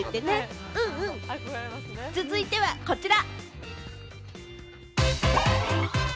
続いてはこちら。